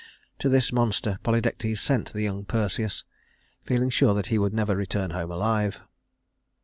To this monster Polydectes sent the young Perseus, feeling sure that he would never return home alive.